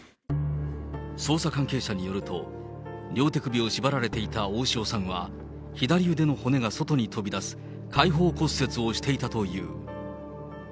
捜査関係者によると、両手首を縛られていた大塩さんは、左腕の骨が外に飛び出す開放骨折をしていたという。